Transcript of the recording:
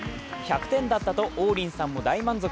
１００点だったと王林さんも大満足。